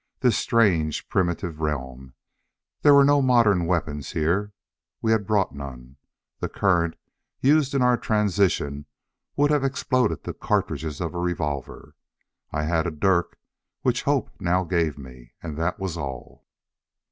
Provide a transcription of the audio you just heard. This strange primitive realm. There were no modern weapons here. We had brought none. The current used in our transition would have exploded the cartridges of a revolver. I had a dirk which Hope now gave me, and that was all.